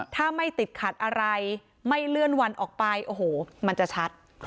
ถ้าไม่ติดขัดอะไรไม่เลื่อนวันออกไปโอ้โหมันจะชัด